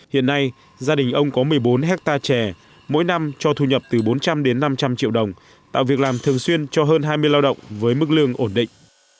hiện nay gia đình ông có một mươi bốn hectare trẻ mỗi năm cho thu nhập từ bốn trăm linh đến năm trăm linh triệu đồng tạo việc làm thường xuyên cho hơn hai mươi lao động với mức lương ổn định